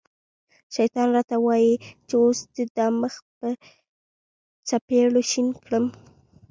شیطان را ته وايي چې اوس دې دا مخ په څپېړو شین کړم.